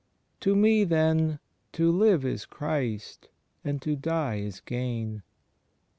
"To me, "then, "to live is Christ; and to die is gain." *